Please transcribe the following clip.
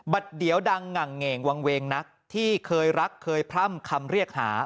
เดี๋ยวดังหงั่งเง่งวางเวงนักที่เคยรักเคยพร่ำคำเรียกหา